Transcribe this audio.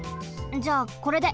じゃあこれで。